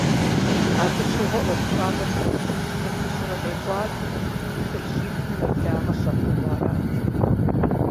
Абы щыгъуэ ӏуэхущӏапӏэм цӏыху щищрэ хыщӏрэ къекӏуалӏэу, тхылъ щиплӏым нэблагъэ щахъумэу арат.